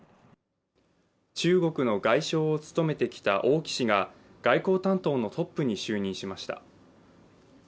中国の外相を務めてきた王毅氏が外交担当のトップに就任しました。